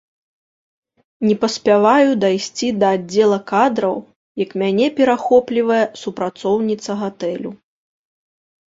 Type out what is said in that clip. Не паспяваю дайсці да аддзела кадраў, як мяне перахоплівае супрацоўніца гатэлю.